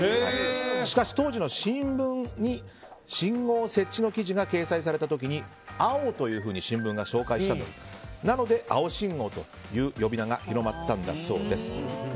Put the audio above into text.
しかし当時の新聞に信号設置の記事が掲載された時青というふうに新聞が紹介したのでなので青信号という呼び名が広まったんだそうです。